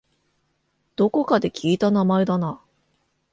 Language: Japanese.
どこかで聞いた名前だな